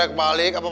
tunggu di depan